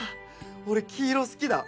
俺黄色好きだ。